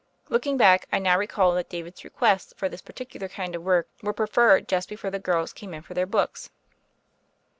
Looking back, I now recalled that David's requests for this particular kind of work were proffered just before the girls came in for their books.